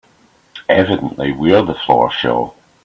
Evidently we're the floor show.